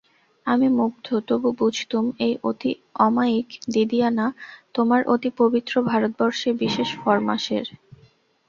আমি মুগ্ধ তবু বুঝতুম এই অতি অমায়িক দিদিয়ানা তোমার অতি পবিত্র ভারতবর্ষের বিশেষ ফরমাশের।